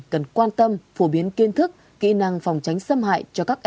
cần quan tâm phổ biến kiên thức kỹ năng phòng tránh xâm hại